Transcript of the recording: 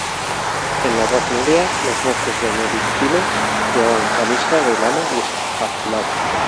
En la Edad Media los monjes benedictinos llevaban camisa de lana y escapulario.